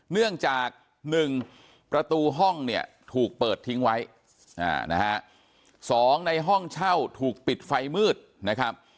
เนื่องจาก๑ประตูห้องเนี่ยถูกเปิดทิ้งไว้นะฮะ๒ในห้องเช่าถูกปิดไฟมืดนะครับ